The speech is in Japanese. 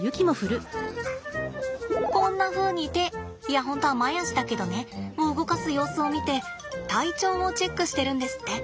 こんなふうに手いや本当は前足だけどねを動かす様子を見て体調をチェックしてるんですって。